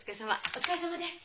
お疲れさまです。